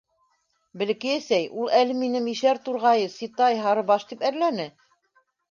— Бәләкәй әсәй, ул әле мине мишәр турғайы, ситай, һарыбаш, тип әрләне.